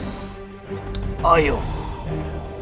berikan tepuk tangan kepada raja